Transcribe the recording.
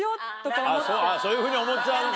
そういうふうに思っちゃうのか。